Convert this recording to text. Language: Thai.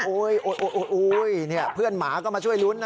เพื่อนหมาก็มาช่วยลุ้นนะ